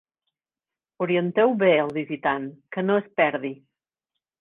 Orienteu bé el visitant, que no es perdi.